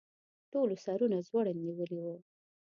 ټولو سرونه ځوړند نیولي وو.